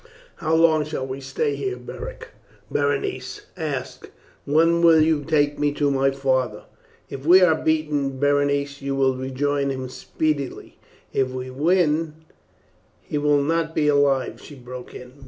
"How long shall we stay here, Beric?" Berenice asked. "When will you take me to my father?" "If we are beaten, Berenice, you will rejoin him speedily; if we win " "He will not be alive," she broke in.